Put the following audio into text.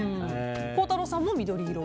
孝太郎さんも緑色。